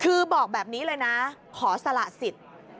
คือบอกแบบนี้เลยนะขอสละสิทธิ์